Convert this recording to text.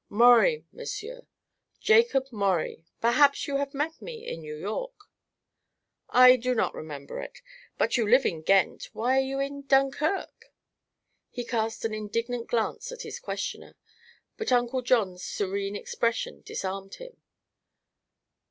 "Maurie, monsieur; Jakob Maurie. Perhaps you have met me in New York." "I do not remember it. But if you live in Ghent, why are you in Dunkirk?" He cast an indignant glance at his questioner, but Uncle John's serene expression disarmed him.